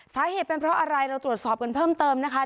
สาเหตุเป็นเพราะอะไรเราตรวจสอบกันเพิ่มเติมนะคะ